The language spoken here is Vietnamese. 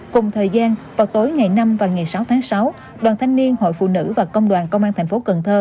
cùng thời gian vào tối ngày năm và ngày sáu tháng sáu đoàn thanh niên hội phụ nữ và công đoàn công an tp hcm